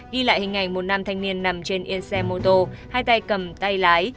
ghi lại hình ảnh một nam thanh niên nằm trên yên xe mô tô hai tay cầm tay lái